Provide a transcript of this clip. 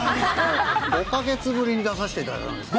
５か月ぶりに出させていただいたんですが。